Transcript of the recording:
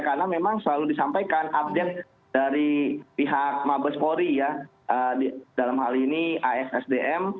karena memang selalu disampaikan update dari pihak mabes polri ya dalam hal ini assdm